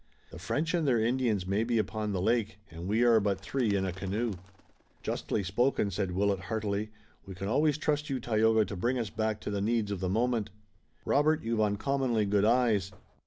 The French and their Indians may be upon the lake, and we are but three in a canoe." "Justly spoken," said Willet heartily. "We can always trust you, Tayoga, to bring us back to the needs of the moment. Robert, you've uncommonly good eyes.